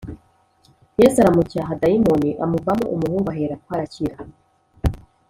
Yesu aramucyaha dayimoni amuvamo umuhungu aherako arakira